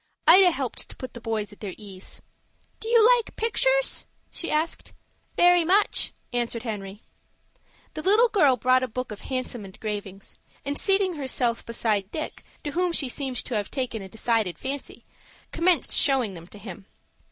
Ida helped to put the boys at their ease. "Do you like pictures?" she asked. "Very much," answered Henry. The little girl brought a book of handsome engravings, and, seating herself beside Dick, to whom she seemed to have taken a decided fancy, commenced showing them to him.